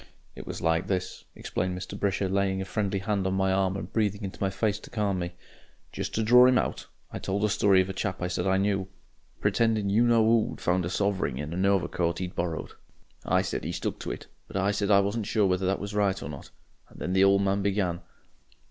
"It was like this," explained Mr. Brisher, laying a friendly hand on my arm and breathing into my face to calm me. "Just to dror 'im out, I told a story of a chap I said I knew pretendin', you know who'd found a sovring in a novercoat 'e'd borrowed. I said 'e stuck to it, but I said I wasn't sure whether that was right or not. And then the old man began.